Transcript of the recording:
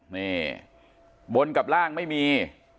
นี่บนกับร่างไม่มี